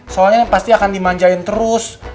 soalnya pasti akan dimanjain terus